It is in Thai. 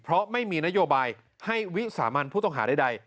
เพราะไม่มีนโยบายให้วิสามันผู้ต้องหาใด